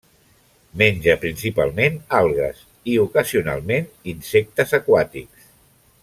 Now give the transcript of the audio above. Menja principalment algues i, ocasionalment, insectes aquàtics.